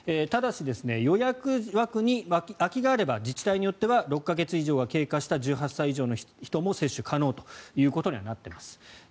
ただし、予約枠に空きがあれば自治体によっては６か月以上が経過した１８歳以上の人も接種が可能ということにはなっています。